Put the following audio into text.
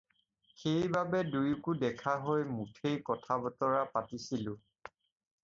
সেই বাবে দুইকো দেখা হৈ মুঠেই কথা-বতৰা পাতিছিলোঁ।